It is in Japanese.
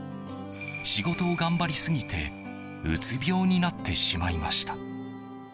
仕事を頑張りすぎてうつ病になってしまいました。